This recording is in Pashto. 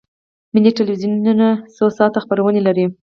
ملي تلویزیون څو ساعته خپرونې لري؟